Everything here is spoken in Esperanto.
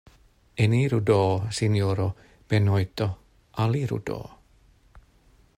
Eniru do, sinjoro Benojto, aliru do.